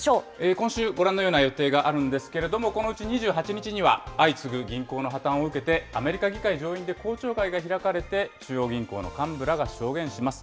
今週、ご覧のような予定があるんですけれども、このうち２８日には、相次ぐ銀行の破綻を受けて、アメリカ議会上院で公聴会が開かれて、中央銀行の幹部らが証言します。